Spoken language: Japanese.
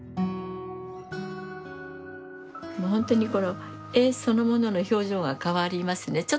もうほんとにこの絵そのものの表情が変わりますね。